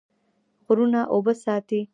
غرونه اوبه ساتي.